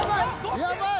やばい！